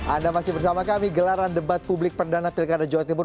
anda masih bersama kami gelaran debat publik perdana pilkada jawa timur